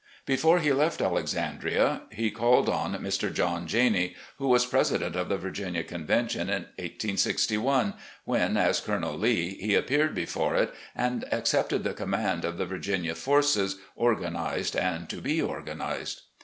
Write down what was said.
Before he left Alexandria he called on Mr. John Janney, who was president of the Virginia Convention in 1861, when, as Colonel Lee, he appeared before it and accepted the command of the Virginia forces, organised and to be organised.